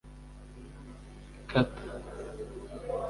kata